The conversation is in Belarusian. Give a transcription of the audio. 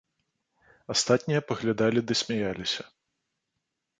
Астатнія паглядалі ды смяяліся.